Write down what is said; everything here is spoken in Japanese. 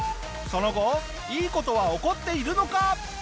その後いい事は起こっているのか？